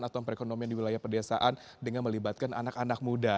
atau perekonomian di wilayah pedesaan dengan melibatkan anak anak muda